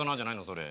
それ。